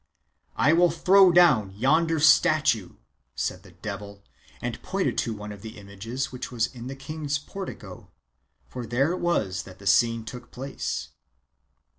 I will throw down yonder statue,' said the devil, and pointed to. one of the images which was in the king's portico, for there it was that the scene took place.